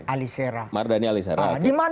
alisera mardhani alisera